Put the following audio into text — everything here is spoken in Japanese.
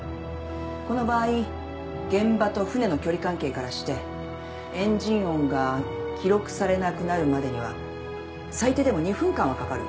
この場合現場と船の距離関係からしてエンジン音が記録されなくなるまでには最低でも２分間はかかる。